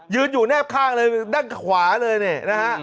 ยืนอยู่แนบข้างด้านขวาเลยนะฮะ